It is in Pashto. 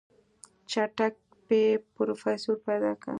چټک پې پروفيسر پيدا که.